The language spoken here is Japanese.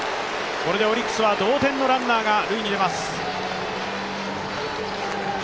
これでオリックスは同点のランナーが塁に出ます。